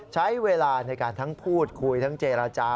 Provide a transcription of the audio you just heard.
ใช้เวลาในการทั้งพูดคุยทั้งเจรจา